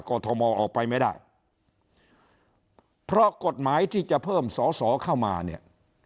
อทมออกไปไม่ได้เพราะกฎหมายที่จะเพิ่มสอสอเข้ามาเนี่ย